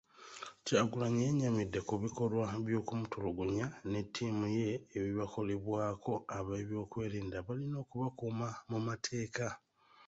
Kyagulanyi yennyamidde ku bikolwa by'okumutulugunya ne ttiimu ye ebibakolebwako ab'ebyokwerinda abalina okubakuuma mu mateeka.